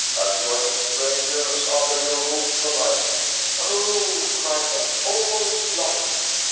"Have you any strangers under your roof to night?" "Oh!" cried Bet," all is lost!"